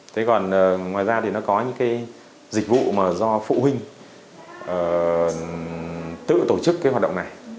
thế còn ngoài ra thì nó có những cái dịch vụ mà do phụ huynh tự tổ chức cái hoạt động này